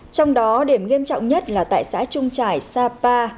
trong đó điểm nghiêm trọng nhất là tại xã trung trải sa pa